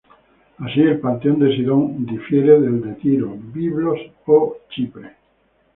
Así el panteón de Sidón difiere del de Tiro, Biblos o Chipre.